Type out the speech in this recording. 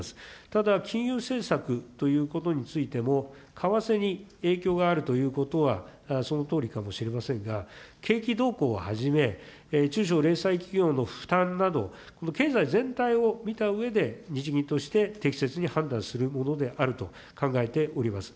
ただ、金融政策ということについても、為替に影響があるということは、そのとおりかもしれませんが、景気動向をはじめ、中小零細企業の負担など、経済全体を見たうえで、日銀として適切に判断するものであると考えております。